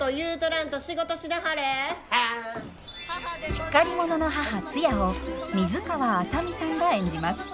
しっかり者の母ツヤを水川あさみさんが演じます。